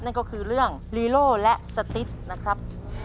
นั่นก็คือเรื่องลีโล่และสติ๊กนะครับ